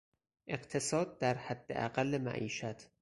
اقتصاد در حداقل معیشت